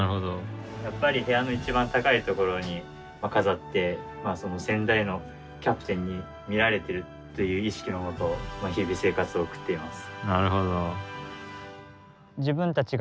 やっぱり部屋の一番高いところに飾って先代のキャプテンに見られてるという意識のもと日々生活を送っています。